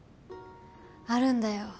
あるんだよ